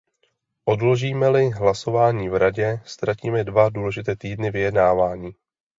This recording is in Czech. Odložíme-li hlasování v Radě, ztratíme dva důležité týdny vyjednávání.